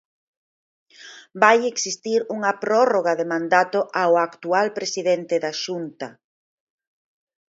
Vai existir unha prórroga de mandato ao actual presidente da Xunta.